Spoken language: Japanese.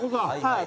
はい。